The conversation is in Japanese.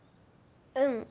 うん。